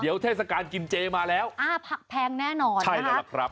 เดี๋ยวเทศกาลกินเจมาแล้วพักแพงแน่นอนครับ